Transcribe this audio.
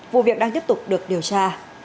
vụ việc đang tiếp tục được điều tra